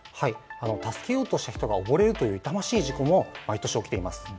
助けようとした人が溺れるという痛ましい事故も毎年起きています。